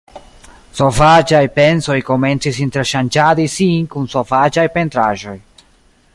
Sovaĝaj pensoj komencis interŝanĝadi sin kun sovaĝaj pentraĵoj.